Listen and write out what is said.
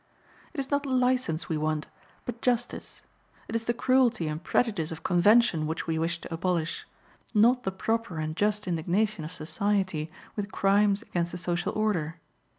It is not license we want, but justice; it is the cruelty and prejudice of convention which we wish to abolish not the proper and just indignation of society with crimes against the social order.